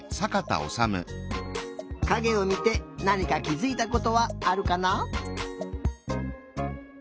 かげをみてなにかきづいたことはあるかな？